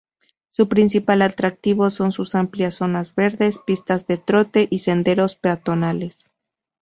Su principal atractivo son sus amplias zonas verdes, pistas de trote y senderos peatonales.